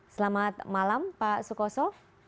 selamat malam pak sukoso